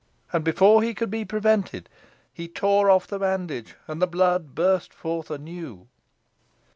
And before he could be prevented he tore off the bandage, and the blood burst forth anew.